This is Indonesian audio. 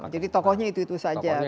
tokohnya itu itu saja